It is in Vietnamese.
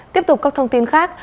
tiếp tục các thông tin khác